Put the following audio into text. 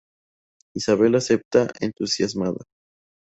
Isabelle acepta entusiasmada.